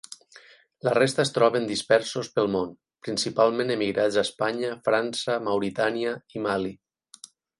La resta es troben dispersos pel món, principalment emigrats a Espanya, França, Mauritània i Mali.